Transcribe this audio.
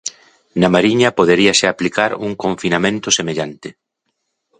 Na Mariña poderíase aplicar un confinamento semellante.